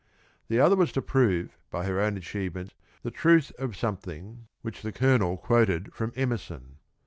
The other was to prove by her own achievements the truth of something which the Colonel quoted from Emerson.